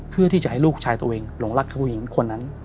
เพื่อที่จะให้ลูกชายตัวเองหลงรักผู้หญิงคนนั้น